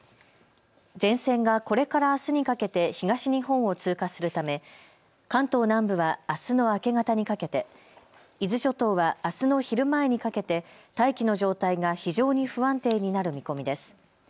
前線がこれからあすにかけて東日本を通過するため関東南部はあすの明け方にかけて、伊豆諸島はあすの昼前にかけて大気の状態が非常に不安定になる見込みです。